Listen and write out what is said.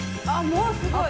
もうすごい！